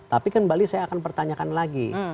tapi kembali saya akan pertanyakan lagi